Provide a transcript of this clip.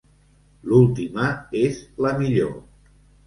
L'última és la millor.